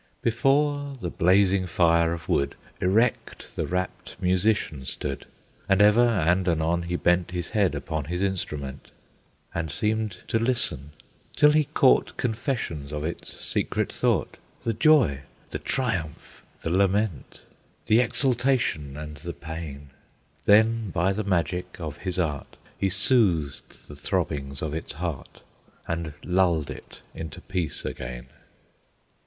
Before the blazing fire of wood Erect the rapt musician stood; And ever and anon he bent His head upon his instrument, And seemed to listen, till he caught Confessions of its secret thought, The joy, the triumph, the lament, The exultation and the pain; Then, by the magic of his art, He soothed the throbbings of its heart, And lulled it into peace again.